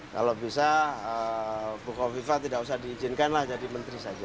kalau bisa buko viva tidak usah diizinkanlah jadi menteri saja